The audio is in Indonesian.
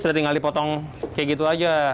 sudah tinggal dipotong kayak gitu aja